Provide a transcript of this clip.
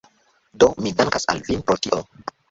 Do, mi dankas vin pro tio